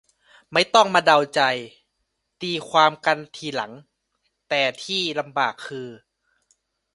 ไม่ต้องมาเดาใจตีความกันทีหลัง แต่ที่ลำบากคือ